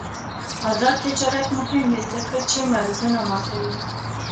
آزاد تجارت مهم دی ځکه چې مرزونه ماتوي.